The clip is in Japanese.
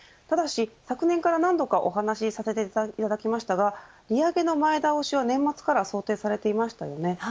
ただし昨年から、何度かお話させていただきましたが利上げの前倒しは年末から想定されていました。